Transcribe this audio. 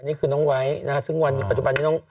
อันนี้คือน้องไวท์นะครับซึ่งวันปัจจุบันนี้